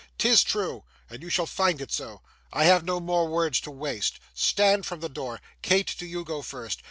''Tis true, and you shall find it so. I have no more words to waste. Stand from the door. Kate, do you go first.